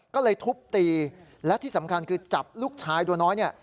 ก็เลยทุบตีและที่สำคัญคือจับลูกชายตัวน้อยเนี่ย